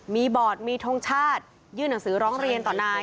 มีบอร์ดมีทงชาติยื่นหนังสือร้องเรียนต่อนาย